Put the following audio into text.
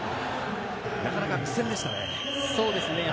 なかなか苦戦でしたね。